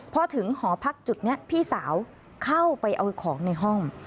พอถึงหอพักจุดนี้พี่สาวเข้าไปเอาของในห้อง